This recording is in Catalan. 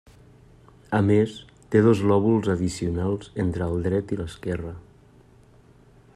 A més, té dos lòbuls addicionals entre el dret i l'esquerre.